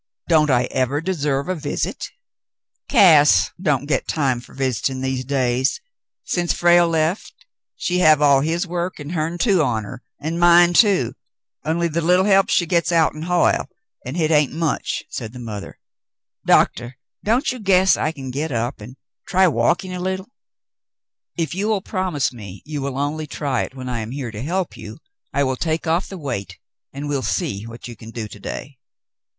"Don't I ever deserve a visit ?" "Cass don't get time fer visitin' these days. Since Frale lef she have all his work an' hern too on her, an' mine too, only the leetle help she gets out'n Hoyle, an' hit hain't much," said the mother. "Doctah, don't ye guess I can get up an' try walkin' a leetle ?" "If you will promise me you will only try it when I am here to help you, I will take off the weight, and we'll see what you can do to day."